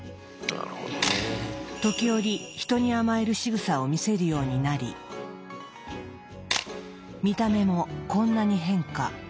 時折人に甘えるしぐさを見せるようになり見た目もこんなに変化。